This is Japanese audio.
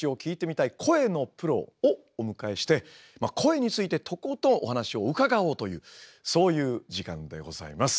声のプロをお迎えして声についてとことんお話を伺おうというそういう時間でございます。